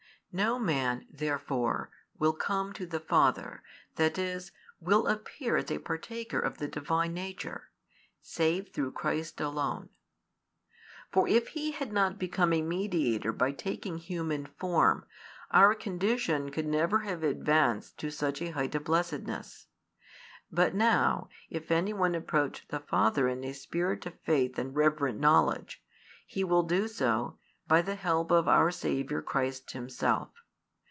No man therefore will come to the Father, that is, will appear as a partaker of the Divine nature, save through Christ alone. For if He had not become a Mediator by taking human form, our condition could never have advanced to such a height of blessedness; but now, if any one approach the Father in a spirit of faith and reverent knowledge, he will do so, by the help of our Saviour Christ Himself.